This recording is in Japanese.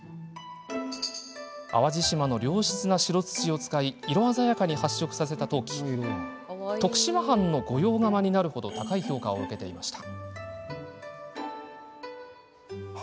淡路島の良質な白土を使い色鮮やかに発色させた陶器は徳島藩の御用窯になる程高い評価を受けていました。